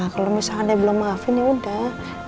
kalau misalnya dia belum maafin ya udah